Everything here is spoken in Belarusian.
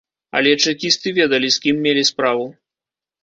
Але чэкісты ведалі, з кім мелі справу.